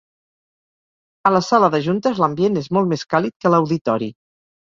A la sala de juntes l'ambient és molt més càlid que a l'Auditori.